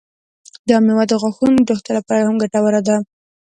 دا میوه د غاښونو د روغتیا لپاره هم ګټوره ده.